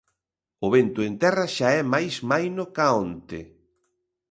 O vento en terra xa é máis maino ca onte.